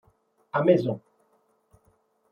a maison.